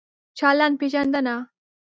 چلند پېژندنه